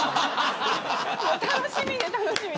楽しみで楽しみで。